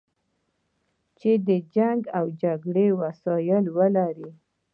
چې د جنګ او جګړې وسایل ولري.